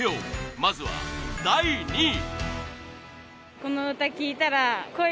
まずは第２位。